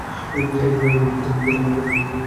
এজন্যই প্রথম নৌকাটা ডুবে গিয়েছিল।